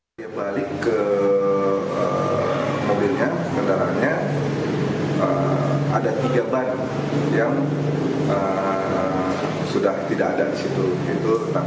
pada saat ini ada tiga ban yang sudah tidak ada di situ